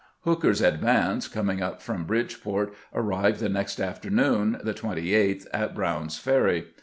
Hooker's advance, coming up from Bridgeport, arrived the next afternoon, the 28th, at Brown's Ferry.